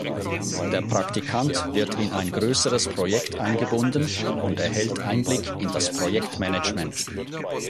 Der Praktikant wird in ein größeres Projekt eingebunden und erhält Einblick in das Projektmanagement.